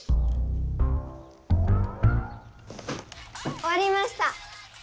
おわりました。